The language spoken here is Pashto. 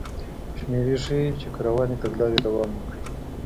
شمېرې ښيي چې که روانې تګلارې دوام وکړي